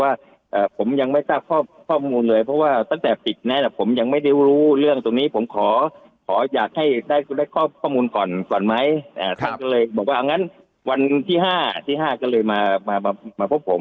ก็คือผู้ประคองเนี่ยได้โทรมามาหาโค้ดที่รักษาอาจารย์ประจำหอที่ทางพี่ไม่รู้เรื่องตรงนี้ผมขอให้ค่อยได้ความมูลก่อนไหมสอนเลยบอกว่าวันที่๕ที่๕เลยมามาพบผมใช่ครับผม